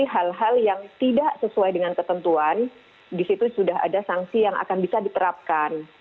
hal hal yang tidak sesuai dengan ketentuan disitu sudah ada sanksi yang akan bisa diterapkan